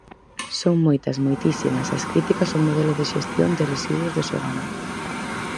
Son moitas, moitísimas, as críticas ao modelo de xestión de residuos de Sogama.